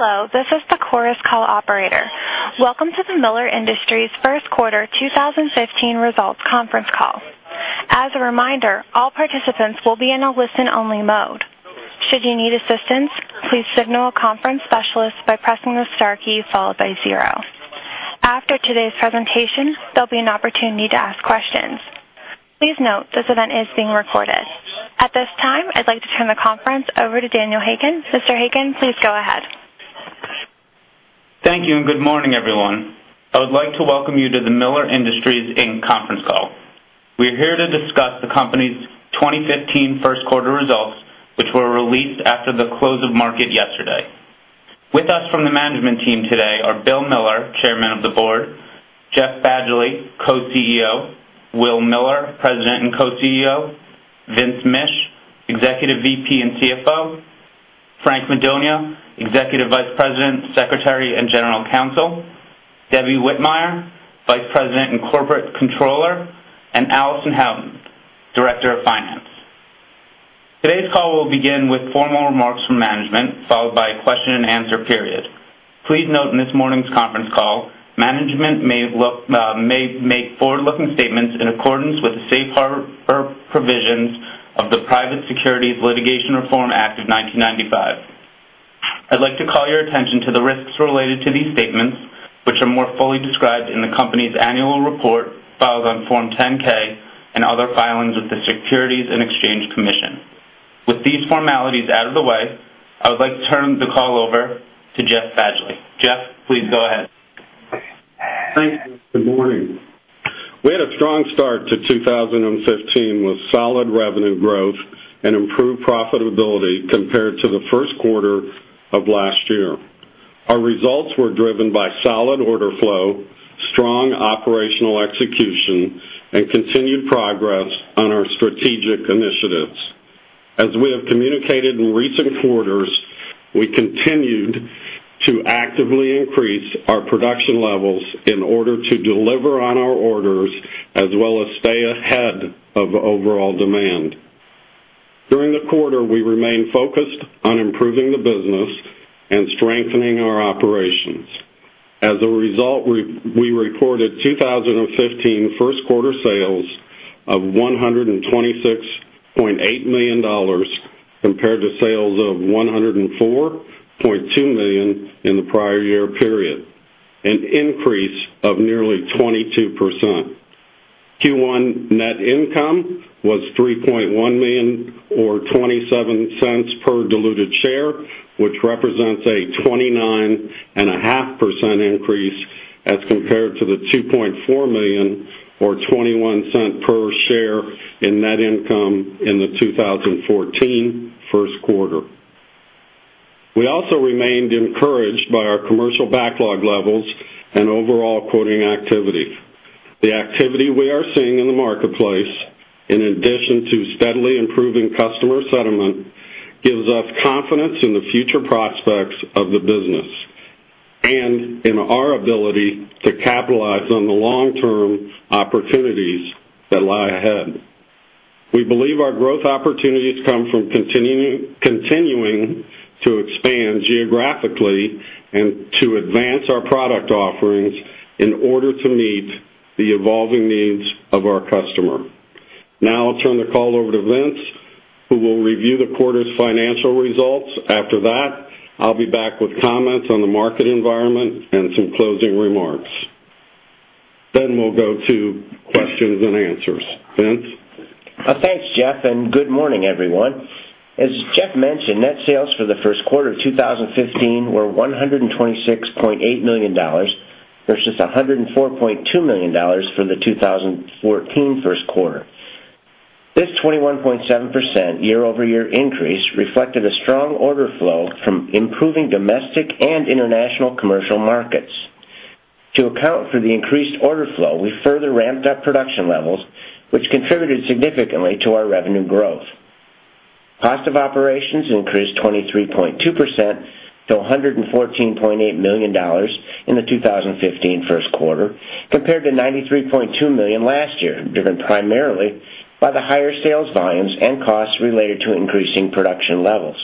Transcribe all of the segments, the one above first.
Hello, this is the Chorus Call operator. Welcome to the Miller Industries first quarter 2015 results conference call. As a reminder, all participants will be in a listen-only mode. Should you need assistance, please signal a conference specialist by pressing the star key followed by zero. After today's presentation, there'll be an opportunity to ask questions. Please note, this event is being recorded. At this time, I'd like to turn the conference over to Daniel Hagan. Mr. Hagan, please go ahead. Thank you. Good morning, everyone. I would like to welcome you to the Miller Industries, Inc. conference call. We are here to discuss the company's 2015 first quarter results, which were released after the close of market yesterday. With us from the management team today are Bill Miller, Chairman of the Board, Jeff Badgley, Co-CEO, Will Miller, President and Co-CEO, Vince Misch, Executive VP and CFO, Frank Madonia, Executive Vice President, Secretary, and General Counsel, Debbie Whitmire, Vice President and Corporate Controller, and Allison Houghton, Director of Finance. Today's call will begin with formal remarks from management, followed by a question and answer period. Please note, in this morning's conference call, management may make forward-looking statements in accordance with the safe harbor provisions of the Private Securities Litigation Reform Act of 1995. I'd like to call your attention to the risks related to these statements, which are more fully described in the company's annual report filed on Form 10-K and other filings with the Securities and Exchange Commission. With these formalities out of the way, I would like to turn the call over to Jeff Badgley. Jeff, please go ahead. Thank you. Good morning. We had a strong start to 2015 with solid revenue growth and improved profitability compared to the first quarter of last year. Our results were driven by solid order flow, strong operational execution, and continued progress on our strategic initiatives. As we have communicated in recent quarters, we continued to actively increase our production levels in order to deliver on our orders, as well as stay ahead of overall demand. During the quarter, we remained focused on improving the business and strengthening our operations. As a result, we recorded 2015 first-quarter sales of $126.8 million, compared to sales of $104.2 million in the prior year period, an increase of nearly 22%. Q1 net income was $3.1 million or $0.27 per diluted share, which represents a 29.5% increase as compared to the $2.4 million or $0.21 per share in net income in the 2014 first quarter. We also remained encouraged by our commercial backlog levels and overall quoting activity. The activity we are seeing in the marketplace, in addition to steadily improving customer settlement, gives us confidence in the future prospects of the business and in our ability to capitalize on the long-term opportunities that lie ahead. We believe our growth opportunities come from continuing to expand geographically and to advance our product offerings in order to meet the evolving needs of our customer. Now I'll turn the call over to Vince, who will review the quarter's financial results. After that, I'll be back with comments on the market environment and some closing remarks. We'll go to questions and answers. Vince? Thanks, Jeff, and good morning, everyone. As Jeff mentioned, net sales for the first quarter of 2015 were $126.8 million versus $104.2 million for the 2014 first quarter. This 21.7% year-over-year increase reflected a strong order flow from improving domestic and international commercial markets. To account for the increased order flow, we further ramped up production levels, which contributed significantly to our revenue growth. Cost of operations increased 23.2% to $114.8 million in the 2015 first quarter, compared to $93.2 million last year, driven primarily by the higher sales volumes and costs related to increasing production levels.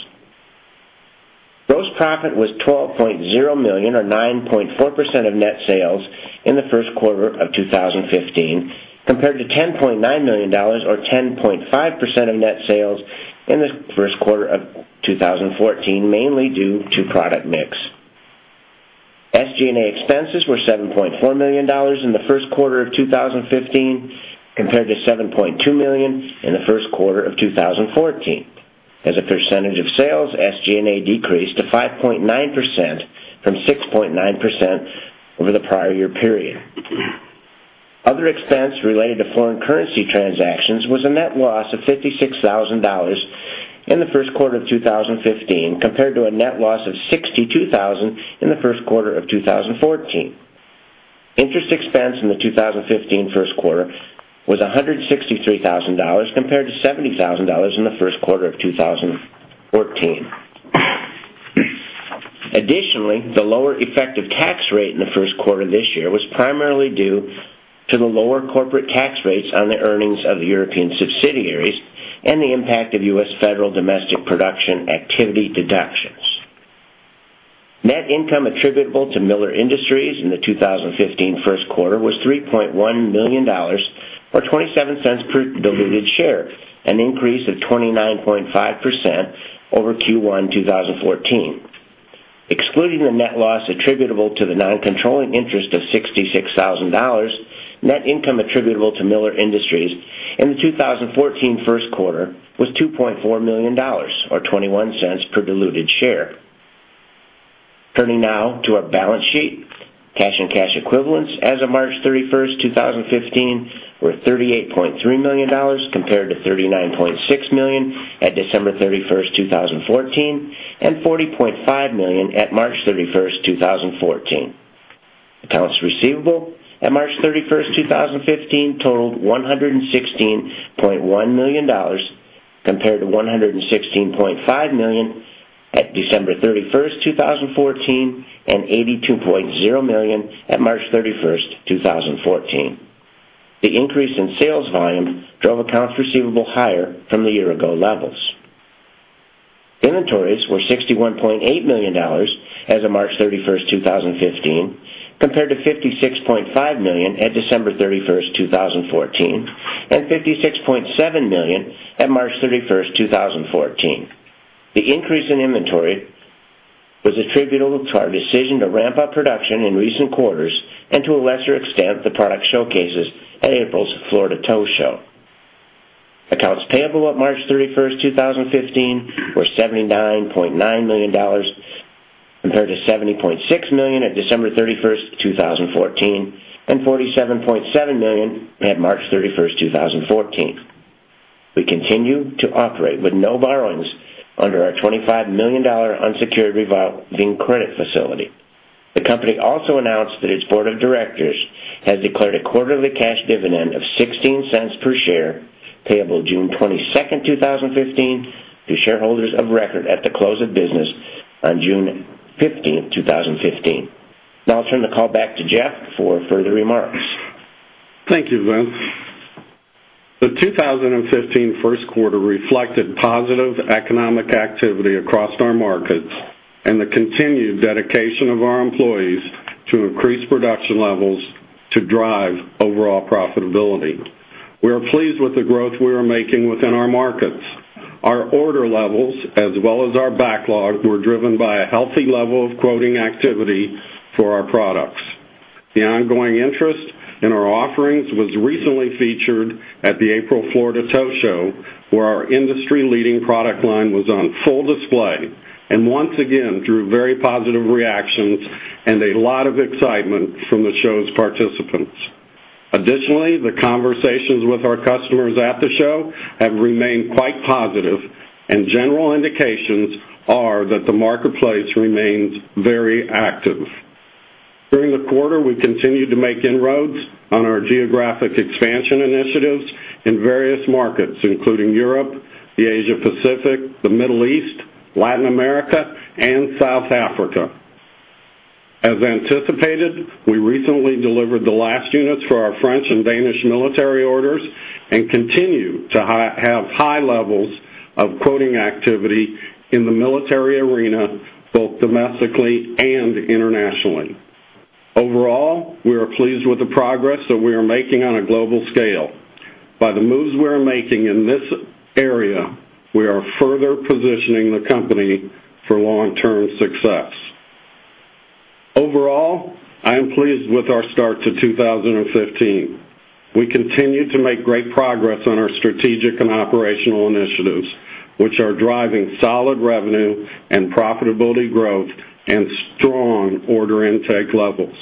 Gross profit was $12.0 million or 9.4% of net sales in the first quarter of 2015, compared to $10.9 million or 10.5% of net sales in the first quarter of 2014, mainly due to product mix. SG&A expenses were $7.4 million in the first quarter of 2015, compared to $7.2 million in the first quarter of 2014. As a percentage of sales, SG&A decreased to 5.9% from 6.9% over the prior year period. Other expense related to foreign currency transactions was a net loss of $56,000 in the first quarter of 2015, compared to a net loss of $62,000 in the first quarter of 2014. Interest expense in the 2015 first quarter was $163,000 compared to $70,000 in the first quarter of 2014. Additionally, the lower effective tax rate in the first quarter this year was primarily due to the lower corporate tax rates on the earnings of the European subsidiaries and the impact of U.S. federal domestic production activity deductions. Net income attributable to Miller Industries in the 2015 first quarter was $3.1 million, or $0.27 per diluted share, an increase of 29.5% over Q1 2014. Excluding the net loss attributable to the non-controlling interest of $66,000, net income attributable to Miller Industries in the 2014 first quarter was $2.4 million, or $0.21 per diluted share. Turning now to our balance sheet. Cash and cash equivalents as of March 31st, 2015, were $38.3 million, compared to $39.6 million at December 31st, 2014, and $40.5 million at March 31st, 2014. Accounts receivable at March 31st, 2015, totaled $116.1 million, compared to $116.5 million at December 31st, 2014, and $82.0 million at March 31st, 2014. The increase in sales volume drove accounts receivable higher from the year-ago levels. Inventories were $61.8 million as of March 31st, 2015, compared to $56.5 million at December 31st, 2014, and $56.7 million at March 31st, 2014. The increase in inventory was attributable to our decision to ramp up production in recent quarters, and to a lesser extent, the product showcases at April's Florida Tow Show. Accounts payable at March 31st, 2015, were $79.9 million, compared to $70.6 million at December 31st, 2014, and $47.7 million at March 31st, 2014. We continue to operate with no borrowings under our $25 million unsecured revolving credit facility. The company also announced that its board of directors has declared a quarterly cash dividend of $0.16 per share, payable June 22nd, 2015, to shareholders of record at the close of business on June 15th, 2015. I'll turn the call back to Jeff for further remarks. Thank you, Vince. The 2015 first quarter reflected positive economic activity across our markets and the continued dedication of our employees to increase production levels to drive overall profitability. We are pleased with the growth we are making within our markets. Our order levels, as well as our backlog, were driven by a healthy level of quoting activity for our products. The ongoing interest in our offerings was recently featured at the April Florida Tow Show, where our industry-leading product line was on full display, and once again, drew very positive reactions and a lot of excitement from the show's participants. The conversations with our customers at the show have remained quite positive, and general indications are that the marketplace remains very active. During the quarter, we continued to make inroads on our geographic expansion initiatives in various markets, including Europe, the Asia Pacific, the Middle East, Latin America, and South Africa. As anticipated, we recently delivered the last units for our French and Danish military orders and continue to have high levels of quoting activity in the military arena, both domestically and internationally. We are pleased with the progress that we are making on a global scale. By the moves we are making in this area, we are further positioning the company for long-term success. I am pleased with our start to 2015. We continue to make great progress on our strategic and operational initiatives, which are driving solid revenue and profitability growth and strong order intake levels.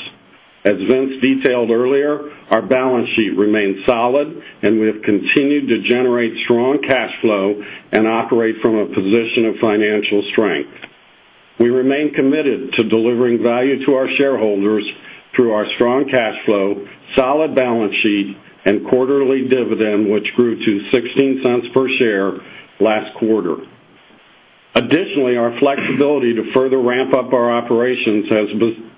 As Vince detailed earlier, our balance sheet remains solid, and we have continued to generate strong cash flow and operate from a position of financial strength. We remain committed to delivering value to our shareholders through our strong cash flow, solid balance sheet, and quarterly dividend, which grew to $0.16 per share last quarter. Additionally, our flexibility to further ramp up our operations has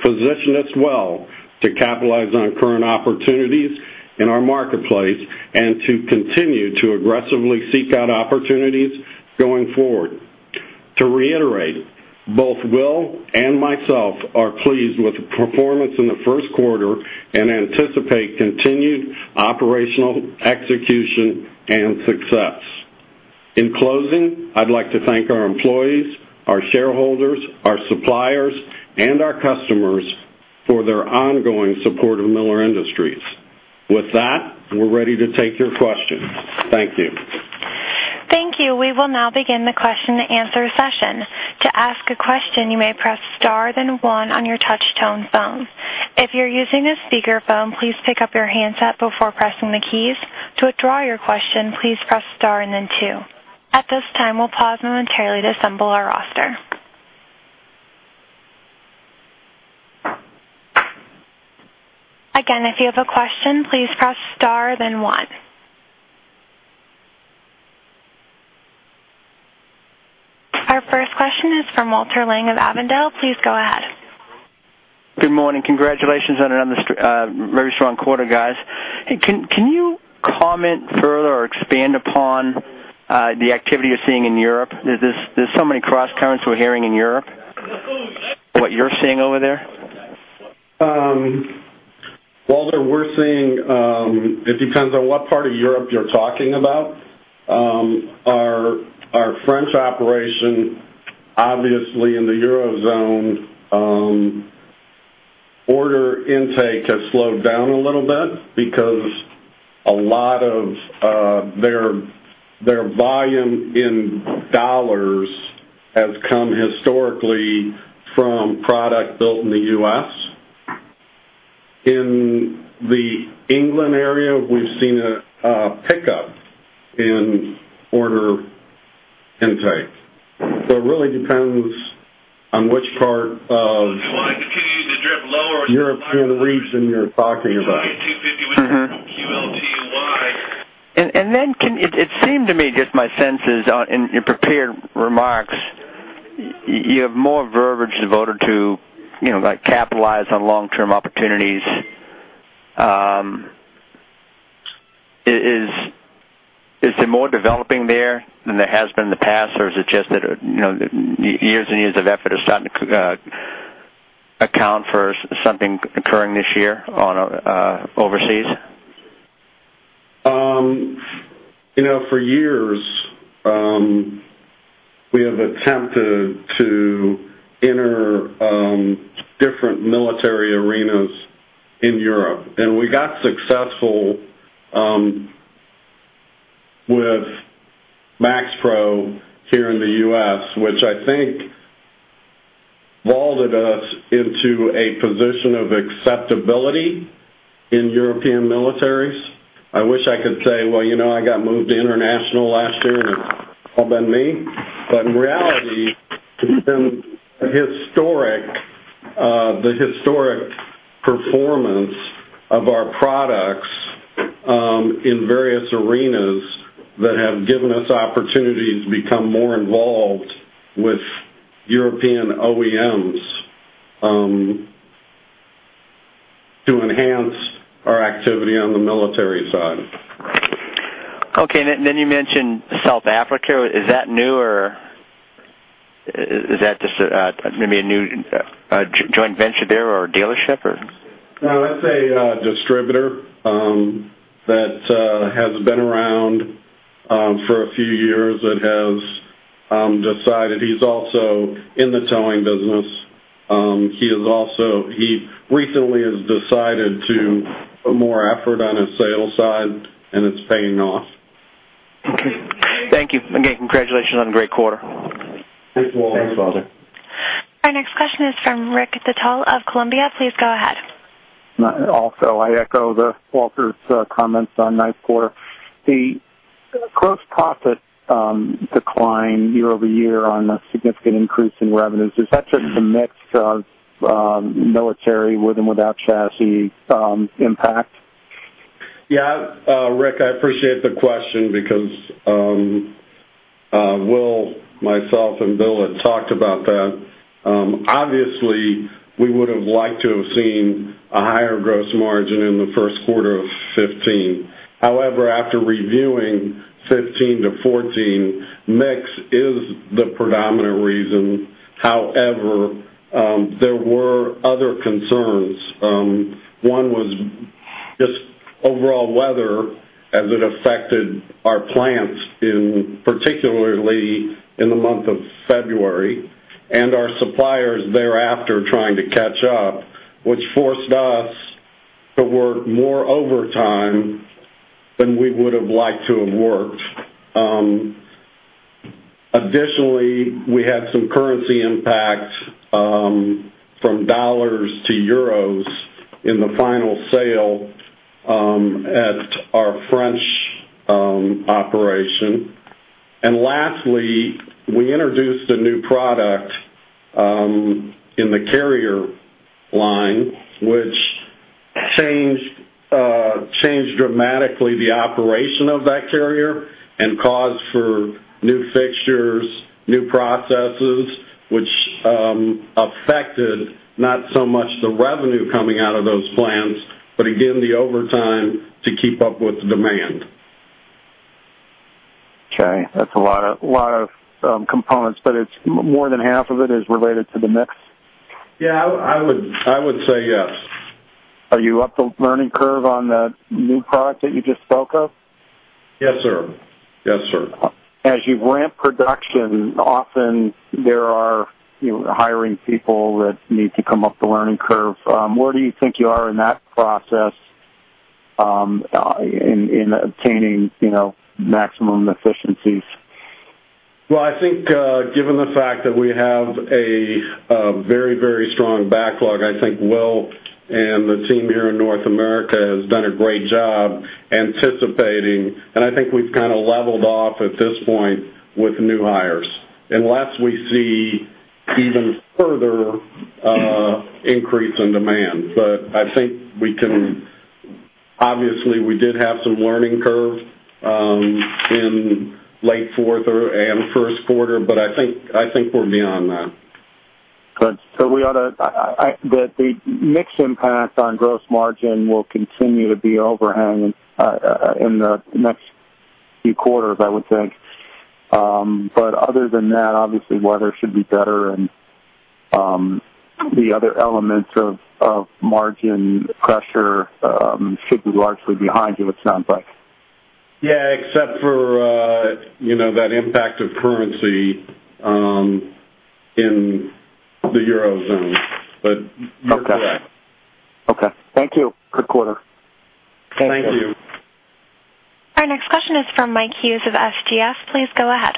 positioned us well to capitalize on current opportunities in our marketplace and to continue to aggressively seek out opportunities going forward. To reiterate, both Will and myself are pleased with the performance in the first quarter and anticipate continued operational execution and success. In closing, I'd like to thank our employees, our shareholders, our suppliers, and our customers for their ongoing support of Miller Industries. With that, we're ready to take your questions. Thank you. Thank you. We will now begin the question and answer session. To ask a question, you may press star then one on your touchtone phone. If you're using a speakerphone, please pick up your handset before pressing the keys. To withdraw your question, please press star and then two. At this time, we'll pause momentarily to assemble our roster. Again, if you have a question, please press star then one. Our first question is from Walter Ling of Avondale. Please go ahead. Good morning. Congratulations on another very strong quarter, guys. Can you comment further or expand upon the activity you're seeing in Europe? There are so many cross-currents we're hearing in Europe. What you're seeing over there? Walter, we're seeing, it depends on what part of Europe you're talking about. Our French operation, obviously in the Eurozone, order intake has slowed down a little bit because a lot of their volume in dollars has come historically from product built in the U.S. In the England area, we've seen a pickup in order intake. It really depends on which part of European region you're talking about. Mm-hmm. Then it seemed to me, just my senses in your prepared remarks, you have more verbiage devoted to capitalize on long-term opportunities. Is there more developing there than there has been in the past, or is it just that years and years of effort are starting to account for something occurring this year overseas? For years, we have attempted to enter different military arenas in Europe, and we got successful with MaxxPro here in the U.S., which I think vaulted us into a position of acceptability in European militaries. I wish I could say, "Well, I got moved to international last year, and it's all been me." In reality, it's been the historic performance of our products in various arenas that have given us opportunities to become more involved with European OEMs to enhance our activity on the military side. Okay. Then you mentioned South Africa. Is that new, or is that just maybe a new joint venture there or a dealership or? No, that's a distributor that has been around for a few years, that has decided. He's also in the towing business. He recently has decided to put more effort on his sales side, and it's paying off. Okay. Thank you. Again, congratulations on a great quarter. Thanks, Walter. Our next question is from Richard Taft of Columbia. Please go ahead. Also, I echo Walter's comments on nice quarter. The gross profit decline year-over-year on a significant increase in revenues, is that just a mix of military with and without chassis impact? Yeah. Rick, I appreciate the question because Will, myself, and Bill had talked about that. Obviously, we would've liked to have seen a higher gross margin in the first quarter of 2015. However, after reviewing 2015 to 2014, mix is the predominant reason. However, there were other concerns. One was just overall weather as it affected our plants particularly in the month of February, and our suppliers thereafter trying to catch up, which forced us to work more overtime than we would've liked to have worked. Additionally, we had some currency impact from USD to EUR in the final sale at our French operation. Lastly, we introduced a new product in the Carriers line, which changed dramatically the operation of that Carriers and caused for new fixtures, new processes, which affected not so much the revenue coming out of those plants, again, the overtime to keep up with the demand. Okay. That's a lot of components, more than half of it is related to the mix? Yeah. I would say yes. Are you up the learning curve on the new product that you just spoke of? Yes, sir. As you ramp production, often you're hiring people that need to come up the learning curve. Where do you think you are in that process in obtaining maximum efficiencies? Well, I think given the fact that we have a very strong backlog, I think Will and the team here in North America has done a great job anticipating, and I think we've kind of leveled off at this point with new hires, unless we see even further increase in demand. Obviously, we did have some learning curve in late fourth and first quarter, but I think we're beyond that. Good. The mix impact on gross margin will continue to be overhang in the next few quarters, I would think. Other than that, obviously, weather should be better and the other elements of margin pressure should be largely behind you, it sounds like. Yeah, except for that impact of currency in the Eurozone. Okay. You're correct. Okay. Thank you. Good quarter. Thank you. Our next question is from Mike Hughes of SGS. Please go ahead.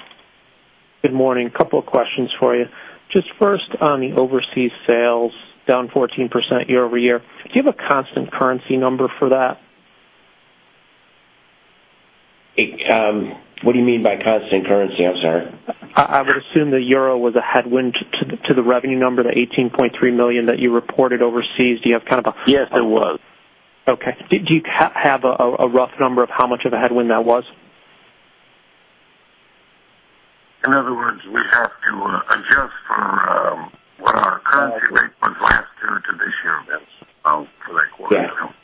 Good morning. Couple of questions for you. Just first on the overseas sales, down 14% year-over-year. Do you have a constant currency number for that? What do you mean by constant currency? I'm sorry. I would assume the EUR was a headwind to the revenue number, the 18.3 million that you reported overseas. Do you have kind of? Yes, it was. Okay. Do you have a rough number of how much of a headwind that was? In other words, we have to adjust for what our currency rate was last year to this year, Vince, for that quarter. Yes.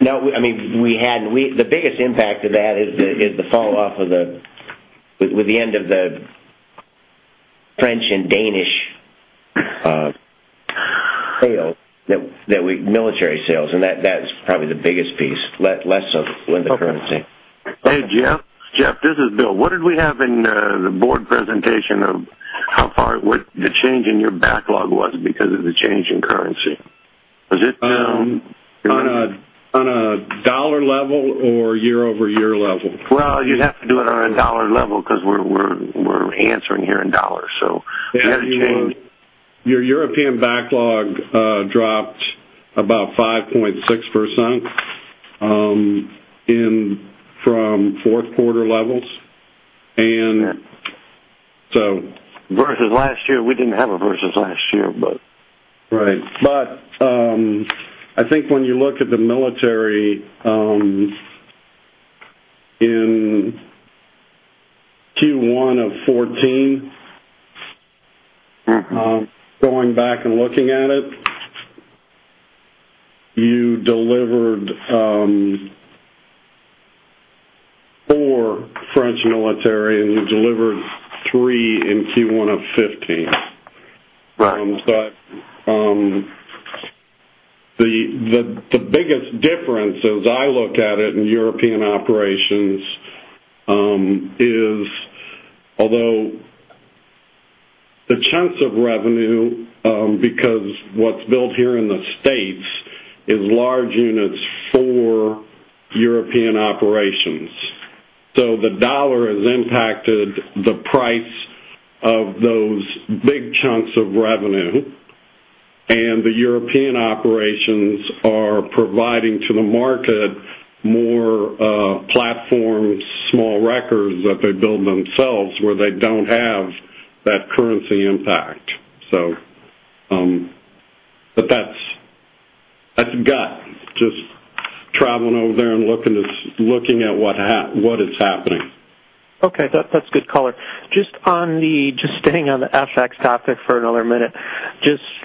No, the biggest impact of that is the fall off with the end of the French and Danish military sales. That's probably the biggest piece. Less so with the currency. Okay. Jeff, this is Bill. What did we have in the board presentation of how far the change in your backlog was because of the change in currency? Was it down? On a dollar level or year-over-year level? You'd have to do it on a dollar level because we're answering here in dollars. We had a change. Your European backlog dropped about 5.6% from fourth quarter levels. Versus last year. We didn't have a versus last year. Right. I think when you look at the military in Q1 of 2014 going back and looking at it, you delivered four French military, and you delivered three in Q1 of 2015. Right. The biggest difference as I look at it in European operations is although the chunks of revenue, because what's built here in the States is large units for European operations. The dollar has impacted the price of those big chunks of revenue, and the European operations are providing to the market more platforms, small wreckers that they build themselves where they don't have that currency impact. That's a gut, just traveling over there and looking at what is happening. Okay. That's good color. Just staying on the FX topic for another minute.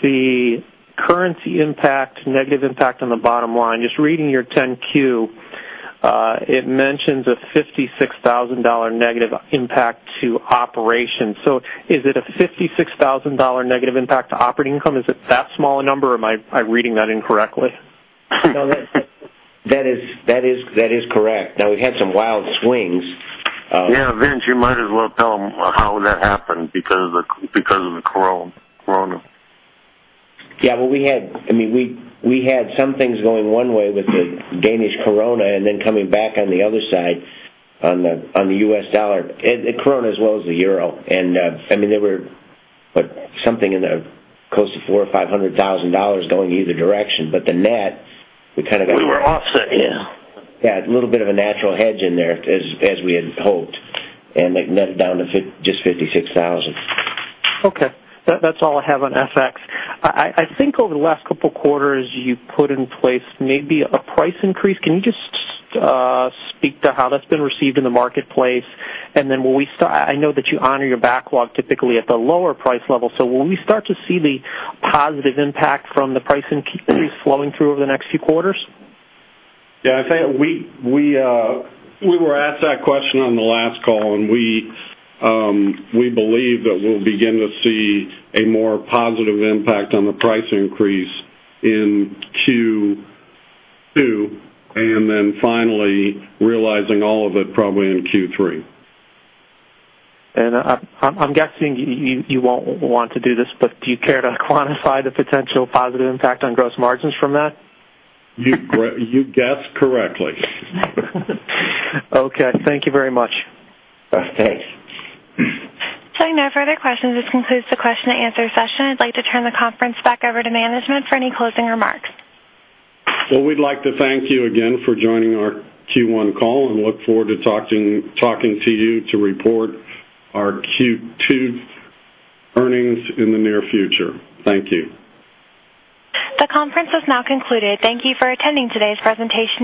The currency impact, negative impact on the bottom line, reading your 10-Q, it mentions a $56,000 negative impact to operations. Is it a $56,000 negative impact to operating income? Is it that small a number or am I reading that incorrectly? No, that is correct. We've had some wild swings. Vince, you might as well tell him how that happened because of the DKK. We had some things going one way with the Danish DKK and coming back on the other side on the US dollar. The DKK as well as the EUR. There were something in the close to $400,000 or $500,000 going either direction, but the net, we were offset. A little bit of a natural hedge in there as we had hoped, and it netted down to just $56,000. Okay. That's all I have on FX. I think over the last couple of quarters you've put in place maybe a price increase. Can you just speak to how that's been received in the marketplace? I know that you honor your backlog typically at the lower price level. Will we start to see the positive impact from the price increase flowing through over the next few quarters? I think we were asked that question on the last call. We believe that we'll begin to see a more positive impact on the price increase in Q2, finally realizing all of it probably in Q3. I'm guessing you won't want to do this. Do you care to quantify the potential positive impact on gross margins from that? You guessed correctly. Okay. Thank you very much. Thanks. Seeing no further questions, this concludes the question and answer session. I'd like to turn the conference back over to management for any closing remarks. Well, we'd like to thank you again for joining our Q1 call and look forward to talking to you to report our Q2 earnings in the near future. Thank you. The conference has now concluded. Thank you for attending today's presentation.